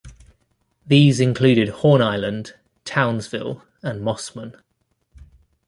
These included Horn Island, Townsville and Mossman.